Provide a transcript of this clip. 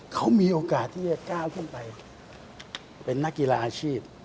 เขามีโอกาสที่จะก้าวขึ้นไปเป็นนักกีฬาอาชีพ